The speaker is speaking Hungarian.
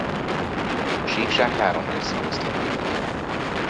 A síkság három részre osztható.